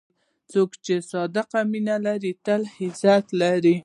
څوک چې صادق مینه لري، تل عزت لري.